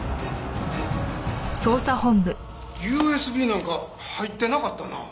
ＵＳＢなんか入ってなかったな。